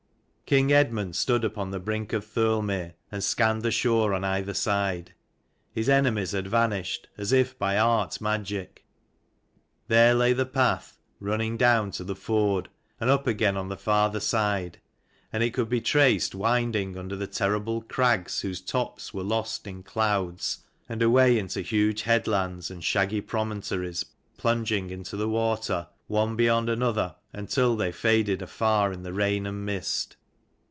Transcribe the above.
ING Eadmund stood upon the brink of Thirlmere, and scanned the shore on either side. His enemies had vanished as if by art magic. There lay the path, running down to the ford, and up again on the farther side, and it could be traced winding under the terrible crags whose tops were lost in clouds, and away into huge headlands and shaggy promontories plunging into the water, one beyond another, until they faded afar in the rain and mist.